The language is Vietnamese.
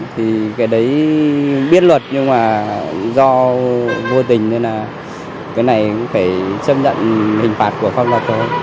thì cái đấy biết luật nhưng mà do vô tình nên là cái này cũng phải chấp nhận hình phạt của pháp luật thôi